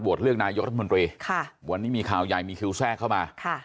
เลือกนายกรัฐมนตรีวันนี้มีข่าวใหญ่มีคิวแทรกเข้ามา